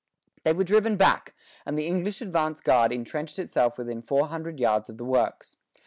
They were driven back, and the English advance guard intrenched itself within four hundred yards of the works.